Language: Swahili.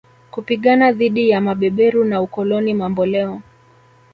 kupigana dhidi ya mabeberu na ukoloni mamboleo